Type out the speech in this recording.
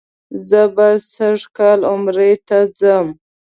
زه به سږ کال عمرې ته راځم.